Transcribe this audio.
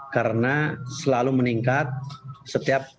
karena selalu meningkat setiap adanya